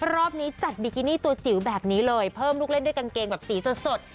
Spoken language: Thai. รอบนี้จัดบิกินี่ตัวจิ๋วแบบนี้เลยเพิ่มลูกเล่นด้วยกางเกงแบบสีสด